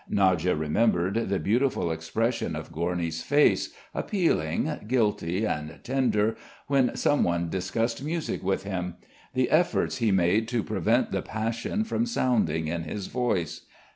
Nadya remembered the beautiful expression of Gorny's face, appealing, guilty, and tender, when someone discussed music with him, the efforts he made to prevent the passion from sounding in his voice.